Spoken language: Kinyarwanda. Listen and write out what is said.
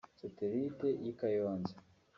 Satelite y’i Kayonza